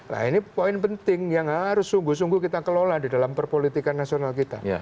nah ini poin penting yang harus sungguh sungguh kita kelola di dalam perpolitikan nasional kita